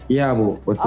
iya bu betul